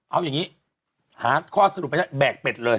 เอาอย่างนี้หาข้อสรุปไม่ได้แบกเป็ดเลย